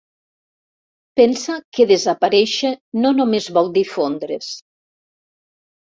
Pensa que desaparèixer no només vol dir fondre's.